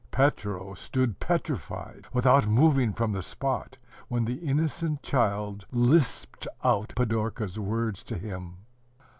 Petro stood petrified, without moving from the spot, when the innocent child lisped out Pidorka's words to him.